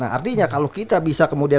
artinya kalau kita bisa kemudian